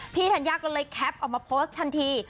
ธัญญาก็เลยแคปออกมาโพสต์ทันที